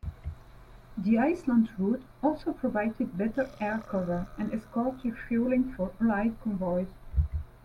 The Iceland route also provided better air cover and escort refuelling for allied convoys.